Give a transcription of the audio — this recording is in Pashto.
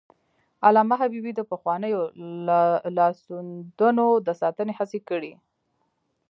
علامه حبيبي د پخوانیو لاسوندونو د ساتنې هڅې کړي.